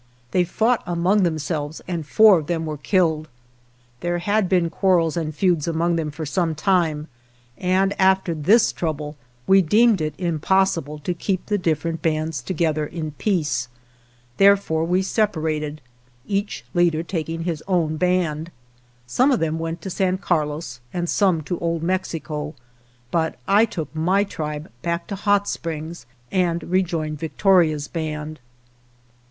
They fought among themselves and four of them were killed. There had been quarrels and feuds among them for some time, and 2 They do not receive full rations now, as they did then. 129 GEROXIMO after this trouble we deemed it impossible to keep the different bands together in peace. Therefore we separated, each leader taking his own band. Some of them went to San Carlos and some to Old Mexico, but I took my tribe back to Hot Springs and rejoined Victoria's band.